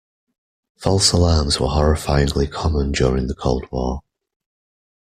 False alarms were horrifyingly common during the Cold War.